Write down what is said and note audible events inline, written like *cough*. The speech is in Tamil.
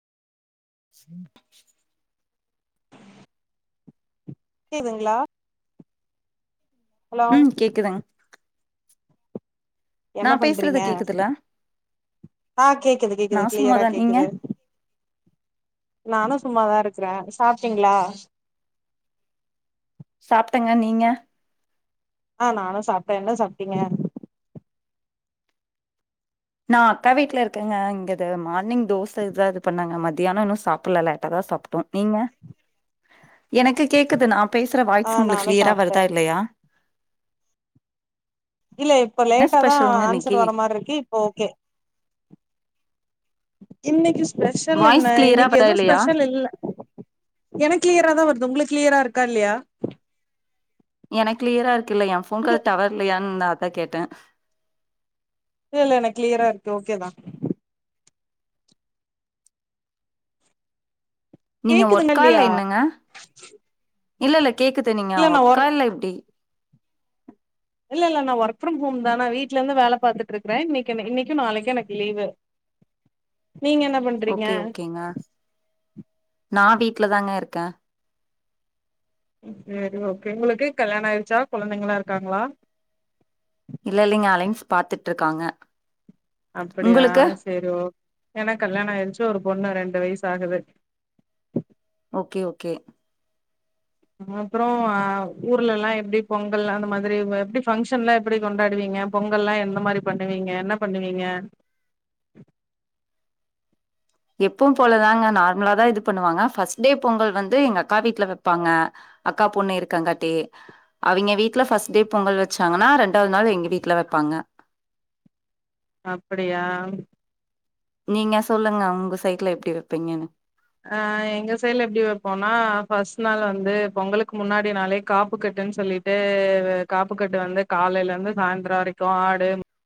*inaudible* துங்களா ம் கேக்குதுங் நா என்ன பேசுறது பண்றீங்க கேக்குதுல ஆ கேக்குது நா கேக்குது கிளியரா சும்மாதா நீங்க கேக்குது நானு சும்மாதா இருக்குறே சாப்ட்டீங்ளா சாப்ட்டங்க நீங்க அ நானு சாப்ட்டே என்ன சாப்ட்டிங்க நா அக்கா வீட்ல இருக்கேங்க இங்க இத மார்னிங் தோச தா இது பண்ணாங்க மத்தியானோ இன்னு சாப்புல்ல லேட்டாதா சாப்ட்டோ நீங்க எனக்கு கேக்குது நா பேசுற ஆ வாய்ஸ் உங்ளுக்கு நானு கிளியரா சாப்ட்டே வருதா இல்லயா இல்ல இப்ப என்ன லேட்ட தா ஸ்பெஷலுங்க ஆன்சர் இன்னைக்கி வர மாரிருக்கு இப்ப ஓகே இன்னிக்கி ஸ்பெஷல் என்ன வாய்ஸ் கிளியரா இன்னைக்கு வருதா எதுவு இல்லையா ஸ்பெஷல் இல்ல எனக்கு கிளியரா தா வருது உங்ளுக்கு கிளியரா இரு க்கா இல்லியா எனக்கு கிளியரா இருக்கு இல்ல என் ஃபோன் கா இல்ல டவர் இல்லையான் அதா கேட்டே இல்ல இல்ல எனக் கிளியரா இருக்கு ஓகேதா நீங்க கேக்குதுங்க ஒர்கா இல்ல இல்லையா என்னங்க இல்ல இல்ல கேக்குது நீங்க இல்ல நா ஒர்க்கா ஒர்க் இல்ல எப்டி இல்ல இல்ல நா ஒர்க் ஃப்ரம் ஹோம் தா நா வீட்லந்து வேல பாத்துட்டுருக்குற இன்னைக்கு என இன்னைக்கு நாளைக்கு எனக்கு லீவு நீங்க என்ன பண்றீங்க ஓகே ஓகேங்க நா வீட்ல தாங்க இருக்க செரி ஓகே உங்ளுக்கு கல்யானோ ஆயிர்ச்சா கொழந்தைங்களா இருக்காங்களா இல்ல இல்லைங்க அலைன்ஸ் பாத்துட்ருக்காங்க அப்டியா செரி ஓக் எனக்கு கல்யாண ஆயிர்ச்சு ஒரு பொண்ணு ரெண்டு வய்சு ஆகுது ஓகே ஓகே அப்றம் ஊர்ல எல்லா எப்டி பொங்கல் அந்த மாதிரி எப்டி ஃபங்க்ஷன்லா எப்டி கொண்டாடுவீங் ங்க பொங்கல்லா எந்த மாதிரி பண்ணுவீங்க என்ன பண்ணுவீங்க எப்பு போலதாங்க நார்மலா தா இது பண்ணுவாங்க ஃபஸ்ட் டே பொங்கல் வந்து எங்க அக்கா வீட்ல வைப்பாங்க அக்கா பொண்ணு இருக்காங்கட்டி அவிங்க வீட்ல ஃபஸ்ட் டே பொங்கல் வச்சாங்கன்னா ரெண்டாவது நாள் எங்க வீட்ல வப்பாங்க அப்டியா நீங்க சொல்லுங்க உங்க சைட்ல எப்டி வப்பீங்கன்னு ஆ எங்க சைட்ல எப்டி வப்போம்னா ஃபர்ஸ்ட் நாள் வந்து பொங்கலுக்கு முன்னாடி நாளே காப்பு கட் டுன்னு சொல்லிட்டு காப்புக்கட்டு வந்து காலயில இருந்து சாய்ந்தரம் வரைக்கு ஆடு